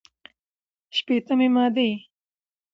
شپېتمې مادې